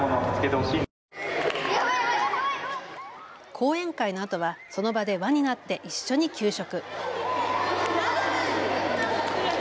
講演会のあとはその場で輪になって一緒に給食。